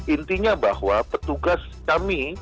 intinya bahwa petugas kami